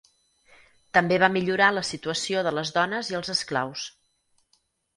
També va millorar la situació de les dones i els esclaus.